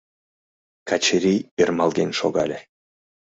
Качырий ӧрмалген шогале.